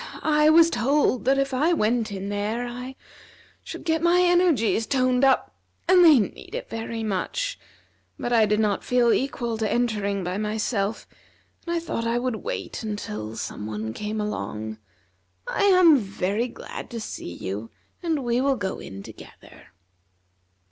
I was told that if I went in there I should get my energies toned up, and they need it very much; but I did not feel equal to entering by myself, and I thought I would wait until some one came along. I am very glad to see you, and we will go in together."